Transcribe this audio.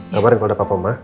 kamu bareng kalau ada papa ma